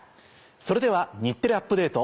それでは『日テレアップＤａｔｅ！』